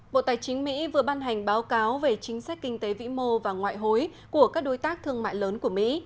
bộ tài chính mỹ vừa ban hành báo cáo về chính sách kinh tế vĩ mô và ngoại hối của các đối tác thương mại lớn của mỹ